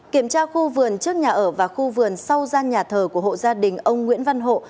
kiểm tra khu vườn trước nhà ở và khu vườn sau gian nhà thờ của hộ gia đình ông nguyễn văn hộ